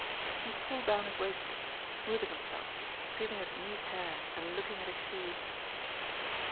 He pulled down his waistcoat, smoothing himself, feeling his neat hair and looking at his shoes.